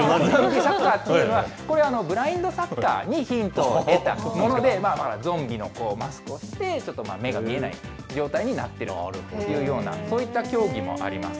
これ、ブラインドサッカーにヒントを得たもので、ゾンビのマスクをして、目が見えない状態になっているというような、そういった競技もあります。